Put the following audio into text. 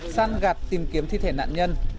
săn gạt tìm kiếm thi thể nạn nhân